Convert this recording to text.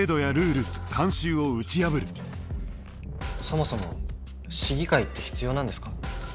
そもそも市議会って必要なんですか？